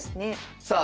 さあ